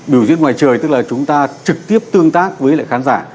biểu diễn ngoài trời tức là chúng ta trực tiếp tương tác với lại khán giả